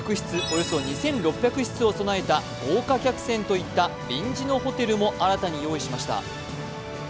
およそ２６００室を備えた豪華客船といった臨時のホテルも新たに用意しました。